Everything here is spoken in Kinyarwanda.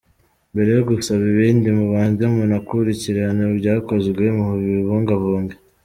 Mbere yo gusaba ibindi mubanze munakurikirane ibyakozwe mubibungabunge.